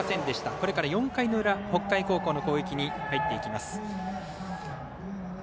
これから４回の裏北海高校の攻撃に入っていきます。